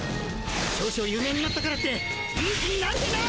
少々有名になったからっていい気になるでない！